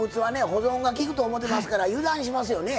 保存がきくと思うてますから油断しますよね。